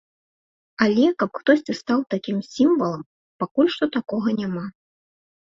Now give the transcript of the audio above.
Але, каб хтосьці стаў такім сімвалам, пакуль што такога няма.